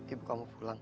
ibu kamu pulang